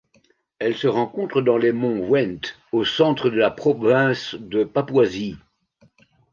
Elle se rencontre dans les monts Went au centre de la province de Papouasie.